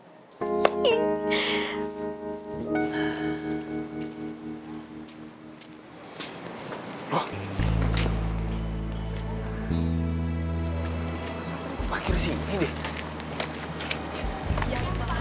masa tadi gue parkir disini deh